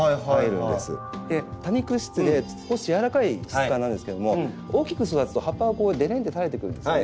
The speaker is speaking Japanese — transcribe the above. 多肉質で少し軟らかい質感なんですけども大きく育つと葉っぱがこうでれんって垂れてくるんですね。